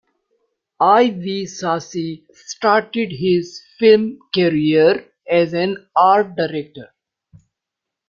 I. V. Sasi started his film career as an art director.